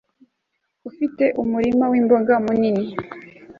ufite umurima wi mboga munini